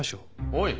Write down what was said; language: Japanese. おい。